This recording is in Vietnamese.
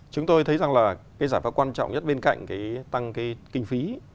chúng tôi thấy rằng là cái giải pháp quan trọng nhất bên cạnh cái tăng cái kinh phí